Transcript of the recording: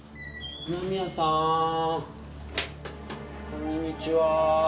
こんにちは。